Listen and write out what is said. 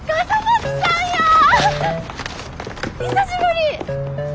久しぶり！